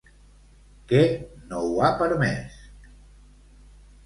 Què no ha permès?